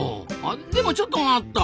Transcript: でもちょっと待った！